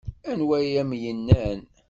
Anwa ay am-yennan?